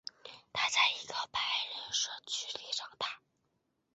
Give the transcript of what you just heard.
他在一个白人社区里长大。